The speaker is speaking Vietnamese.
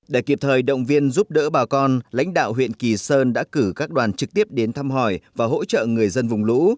để kịp thời động viên giúp đỡ bà con lãnh đạo huyện kỳ sơn đã cử các đoàn trực tiếp đến thăm hỏi và hỗ trợ người dân vùng lũ